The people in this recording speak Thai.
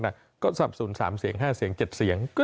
สำหรับสนุนสามเสียงห้าเสียงเจ็ดเสียง